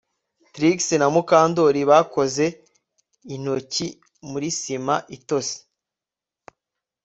Trix na Mukandoli bakoze intoki muri sima itose